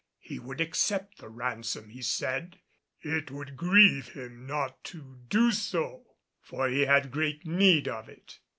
He would accept the ransom, he said, "it would much grieve him not to do so, for he had great need of it."